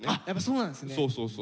やっぱそうなんですね。